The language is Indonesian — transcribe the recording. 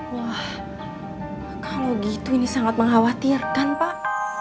wah kalau gitu ini sangat mengkhawatirkan pak